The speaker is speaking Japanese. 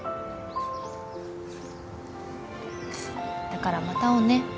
だから「また会おうね。